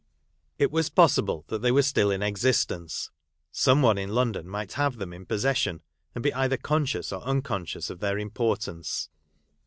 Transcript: It was possible that they were still in existence ; some one in London might have them in possession, and be either conscious or unconscious of their importance.